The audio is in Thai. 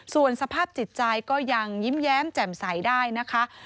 ส่วนสภาพจิตใจก็ยังยิ้มแย้มแจ่มใสได้นะคะ